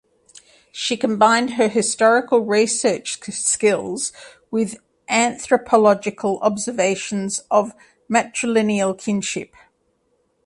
She combined her historical research skills with anthropological observations of matrilineal kinship.